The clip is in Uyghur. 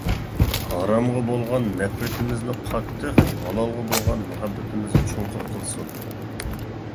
ھارامغا بولغان نەپرىتىمىزنى قاتتىق، ھالالغا بولغان مۇھەببىتىمىزنى چوڭقۇر قىلسۇن!